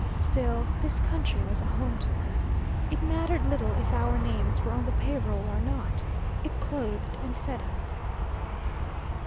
Still, this country was a home to us. It mattered little if our names were on the pay roll or not, it clothed and fed us.